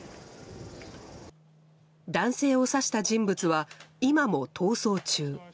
男性を刺した人物は今も逃走中。